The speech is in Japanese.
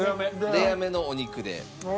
レアめのお肉で。